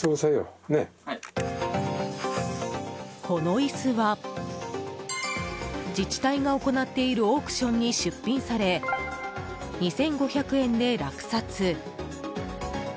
この椅子は自治体が行っているオークションに出品され２５００円で落札。